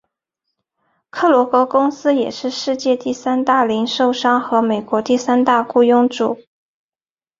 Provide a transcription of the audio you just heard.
克罗格公司也是世界第三大零售商和美国第三大雇佣主。